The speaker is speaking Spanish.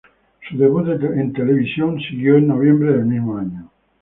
Su debut de televisión siguió en noviembre del mismo año.